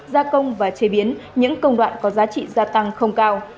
gia công và chế biến những công đoạn có giá trị gia tăng không cao